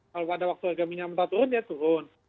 kalau pada waktu harga minyak mentah turun ya turun